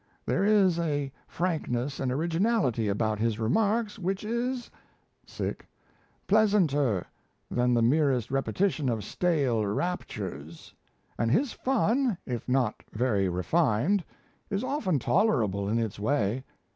There is a frankness and originality about his remarks which is pleasanter than the mere repetition of stale raptures; and his fun, if not very refined, is often tolerable in its way.